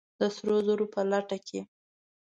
د سرو زرو په لټه کې!